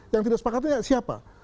yang tidak sepakatan siapa